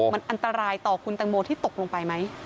มันอันตรายต่อคุณตังโมที่ตกลงไปไหม